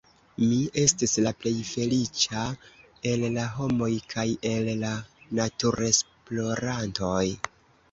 Mi estis la plej feliĉa el la homoj kaj el la naturesplorantoj!